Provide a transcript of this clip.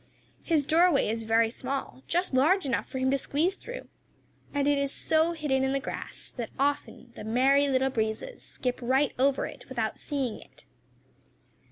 His doorway is very small, just large enough for him to squeeze through, and it is so hidden in the grass that often the Merry Little Breezes skip right over it without seeing it.